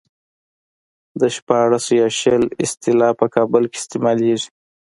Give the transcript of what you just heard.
د شپاړس يا شل اصطلاح په کابل کې استعمالېږي.